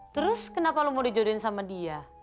terus kenapa lo mau dijodohin sama dia